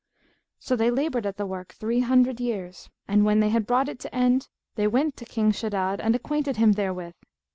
So they laboured at the work three hundred years; and, when they had brought it to end, they went to King Shaddad and acquainted him therewith.